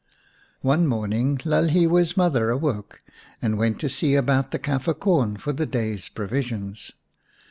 One morning Lalhiwe's mother awoke and went to see about the Kafir corn for the day's provisions.